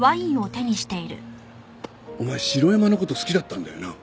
お前城山の事好きだったんだよな？